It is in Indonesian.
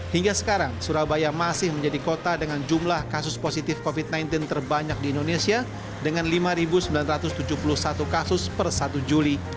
hingga sekarang surabaya masih menjadi kota dengan jumlah kasus positif covid sembilan belas terbanyak di indonesia dengan lima sembilan ratus tujuh puluh satu kasus per satu juli